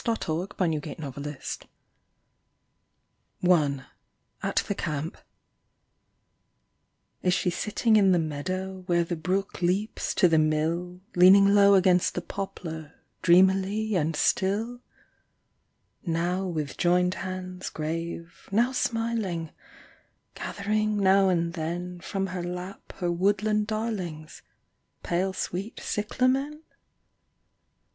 ^^ Is she sitting in the meadow Where the brook leaps to the mill, Leaning low against the poplar, Dreamily and still ? Now, with joined hands, grave, now smiling, Gathering now and then From her lap her woodland darlings. Pale sweet cyclamen